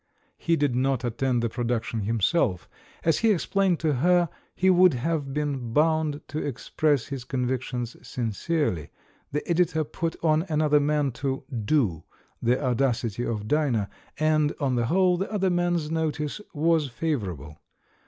He did not attend the production himself; as he explained to her, he would have been bound to express his convictions sincerely. The Editor put on another man to "do" The Audacity of Dinah, and, on the whole, the other man's notice was favourable.